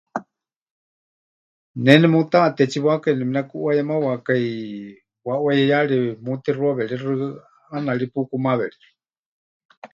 Ne nemutaʼatétsiwakai, nemɨnekuʼuayemawakai waʼuayéyari mutixuaweríxɨ, ʼaana ri pukumaweríxɨ.